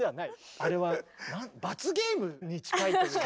あれは罰ゲームに近いというか。